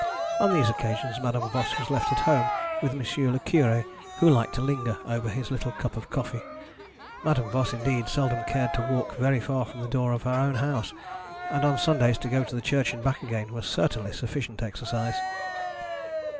On these occasions Madame Voss was left at home with M. le Cure, who liked to linger over his little cup of coffee. Madame Voss, indeed, seldom cared to walk very far from the door of her own house; and on Sundays to go to the church and back again was certainly sufficient exercise.